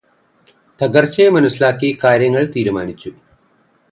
തകർച്ചയെ മനസ്സിലാക്കി കാര്യങ്ങള് തീരുമാനിച്ചു